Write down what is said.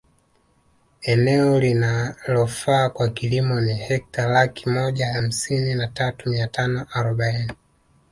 Eneo linalofaa kwa kilimo ni Hekta laki moja hamsini na tatu mia tano arobaini